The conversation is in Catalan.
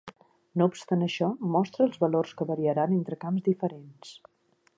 No obstant això, mostra els valors que variaran entre camps diferents.